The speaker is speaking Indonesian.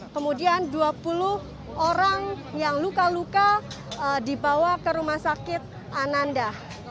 kemudian dua puluh orang yang luka luka dibawa ke rumah sakit ananda